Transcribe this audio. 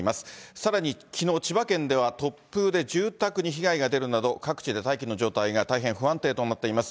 さらにきのう、千葉県では、突風で住宅に被害が出るなど、各地で大気の状態が大変不安定となっています。